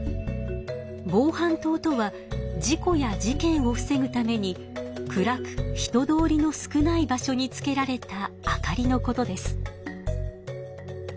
防犯灯とは事故や事件をふせぐために暗く人通りの少ない場所につけられた明かりのことです。